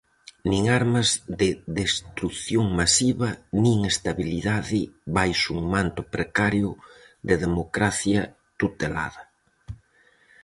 Nin armas de destrución masiva nin estabilidade baixo un manto precario de democracia tutelada.